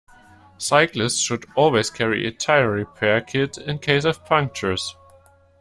Cyclists should always carry a tyre-repair kit, in case of punctures